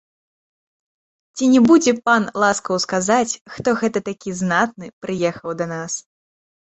Ці не будзе пан ласкаў сказаць, хто гэта такі знатны прыехаў да нас?